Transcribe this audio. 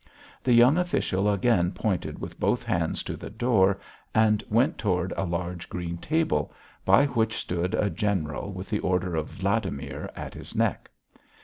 The young official again pointed with both hands to the door and went toward a large, green table, by which stood a general with the Order of Vladimir at his neck.